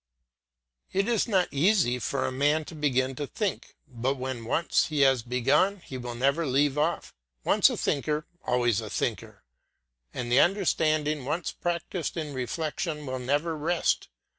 It is not easy for a man to begin to think; but when once he has begun he will never leave off. Once a thinker, always a thinker, and the understanding once practised in reflection will never rest.